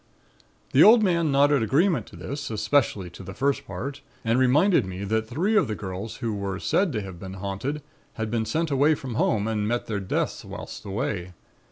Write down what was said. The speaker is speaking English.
"The old man nodded agreement to this, especially to the first part and reminded me that three of the girls who were said to have been 'haunted' had been sent away from home and met their deaths whilst away.